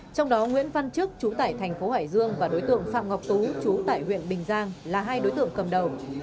trong đó nguyễn văn chức chú tải thành phố hải dương và đối tượng phạm ngọc tú chú tại huyện bình giang là hai đối tượng cầm đầu